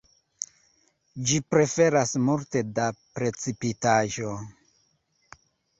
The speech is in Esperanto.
Ĝi preferas multe da precipitaĵo.